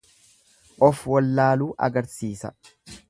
Of wallaaluu agarsiisa.